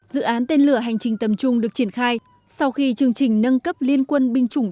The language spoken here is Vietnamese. dự án tên lửa hành trình tầm trung được triển khai sau khi chương trình nâng cấp liên quân binh chủng